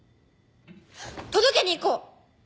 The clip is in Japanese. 届けに行こう。